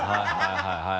はいはい。